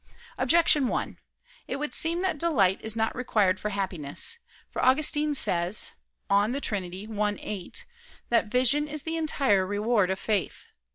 Objection 1: It would seem that delight is not required for happiness. For Augustine says (De Trin. i, 8) that "vision is the entire reward of faith."